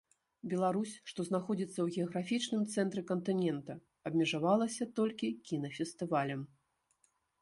Беларусь, што знаходзіцца ў геаграфічным цэнтры кантынента, абмежавалася толькі кінафестывалем.